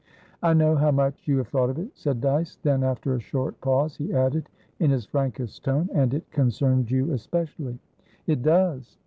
"I know how much you have thought of it," said Dyce. Then, after a short pause, he added in his frankest tone, "And it concerns you especially." "It does."